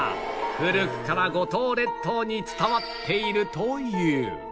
古くから五島列島に伝わっているという